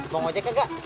mau ngajak enggak